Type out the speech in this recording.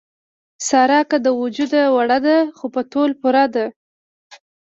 ساره که له وجوده وړه ده، خو په تول پوره ده.